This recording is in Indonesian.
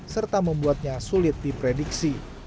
serta membuatnya sulit diprediksi